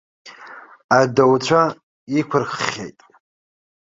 Адауцәа иқәырххьеит.